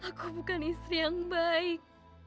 aku bukan istri yang baik